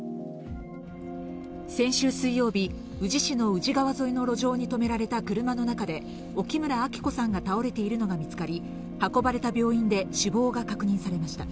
先週水曜日、宇治市の宇治川沿いの路上に止められた車の中で、沖村安希子さんが倒れているのが見つかり、運ばれた病院で死亡が確認されました。